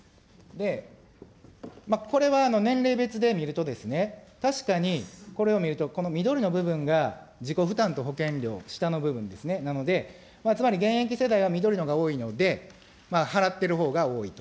これは年齢別で見るとですね、確かに、これを見ると、この緑の部分が、自己負担と保険料、下の部分ですね、なので、つまり現役世代は緑のが多いので、払ってるほうが多いと。